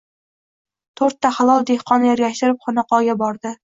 To‘rtta halol dehqonni ergashtirib, xonaqoga bordi.